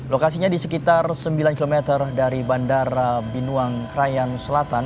lokasinya di sekitar sembilan km dari bandara binuang krayan selatan